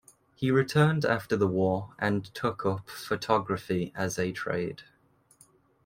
He returned after the war and took up photography as a trade.